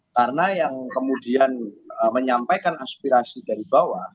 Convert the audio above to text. karena yang kemudian menyampaikan aspirasi dari bawah